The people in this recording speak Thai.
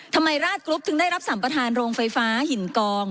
ทำไมราชกรุ๊ปถึงได้รับสัมประธานโรงไฟฟ้าหินกอง